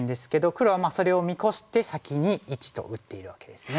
黒はそれを見越して先に①と打っているわけですね。